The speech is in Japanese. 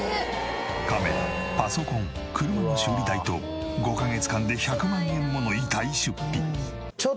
カメラパソコン車の修理代と５カ月間で１００万円もの痛い出費。